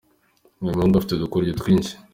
Uyu muhungu afite udukoryo twinci.